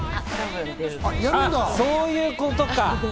そういうことか。